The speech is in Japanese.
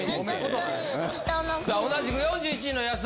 同じく４１位の安田！